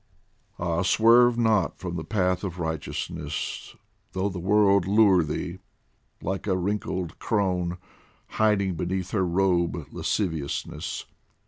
Ah, swerve not from the path of righteousness Though the world lure thee ! like a wrinkled crone, Hiding beneath her robe lasciviousness